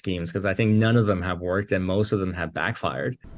karena saya pikir tidak ada yang berhasil dan kebanyakan dari mereka telah berlalu